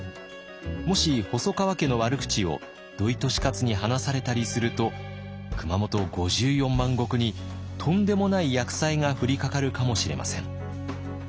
もし細川家の悪口を土井利勝に話されたりすると熊本５４万石にとんでもない厄災が降りかかるかもしれません。